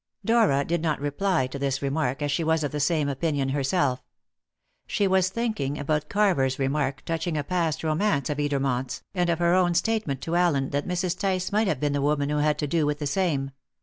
Dora did not reply to this remark, as she was of the same opinion herself. She was thinking about Carver's remark touching a past romance of Edermont's, and of her own statement to Allen that Mrs. Tice might have been the woman who had to do with the same.